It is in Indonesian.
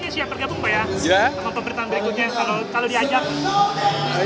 sekjen gerindra ahmad muzani